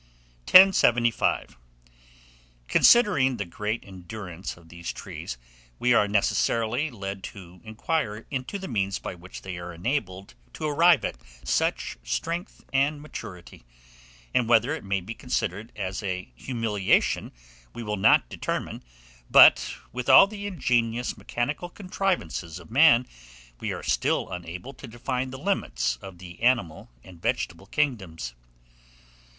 ] 1075. Considering the great endurance of these trees, we are necessarily led to inquire into the means by which they are enabled to arrive at such strength and maturity; and whether it may be considered as a humiliation we will not determine, but, with all the ingenious mechanical contrivances of man, we are still unable to define the limits of the animal and vegetable kingdoms.